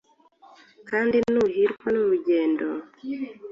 Kandi nuhirwa n' urugendo